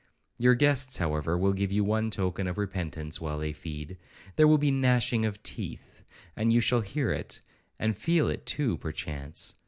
Your guests, however, will give you one token of repentance while they feed; there will be gnashing of teeth, and you shall hear it, and feel it too perchance!